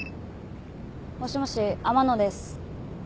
もしもし天野です。